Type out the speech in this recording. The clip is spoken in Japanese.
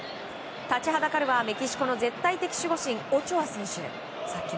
立ちはだかるはメキシコの絶対的守護神、オチョア選手。